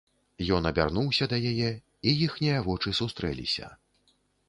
Ён абярнуўся да яе, і іхнія вочы сустрэліся.